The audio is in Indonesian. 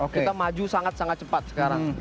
kita maju sangat sangat cepat sekarang